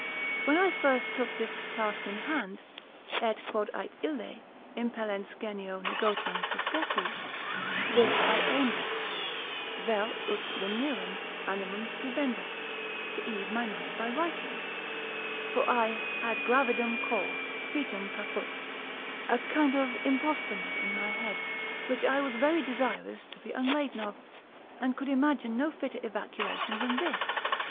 When I first took this task in hand, et quod ait ille, impellents genio negotium suscepi, this I aimed at; vel ut lenirem animum scribendo, to ease my mind by writing; for I had gravidum cor, foetum caput, a kind of imposthume in my head, which I was very desirous to be unladen of, and could imagine no fitter evacuation than this.